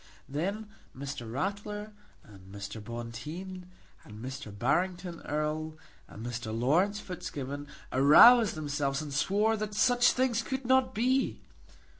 Then Mr. Ratler, and Mr. Bonteen, and Mr. Barrington Erle, and Mr. Laurence Fitzgibbon aroused themselves and swore that such things could not be.